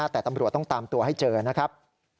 แต่ตำรวจต้องตามตัวให้เจอนะครับ